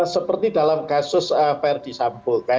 seperti dalam kasus verdi sambo